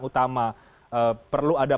utama perlu ada